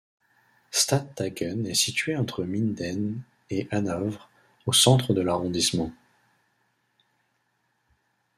Stadthagen est située entre Minden et Hanovre, au centre de l'arrondissement.